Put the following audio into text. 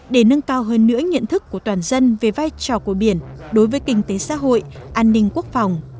để nâng cao hơn nữa nhận thức của toàn dân về vai trò của biển đối với kinh tế xã hội an ninh quốc phòng